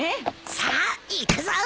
さあいくぞ！